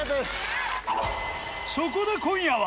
そこで今夜は！